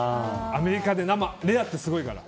アメリカで生レアってすごいから。